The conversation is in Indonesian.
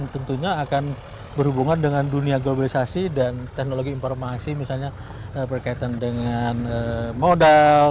tentunya akan berhubungan dengan dunia globalisasi dan teknologi informasi misalnya berkaitan dengan modal